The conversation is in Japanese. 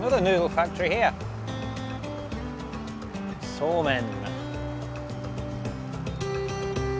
そうめん。